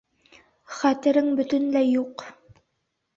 Хәтерең бөтөнләй юҡ!